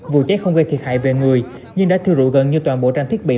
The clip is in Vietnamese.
vụ cháy không gây thiệt hại về người nhưng đã thiêu rụ gần như toàn bộ tranh thiết bị